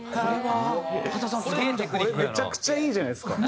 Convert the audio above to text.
めちゃくちゃいいじゃないですか。